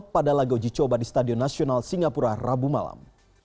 pada laga uji coba di stadion nasional singapura rabu malam